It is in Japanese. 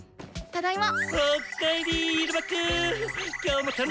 ただいま。